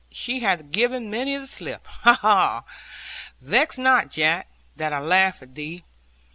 She hath given many the slip. Ha, ha! Vex not, Jack, that I laugh at thee.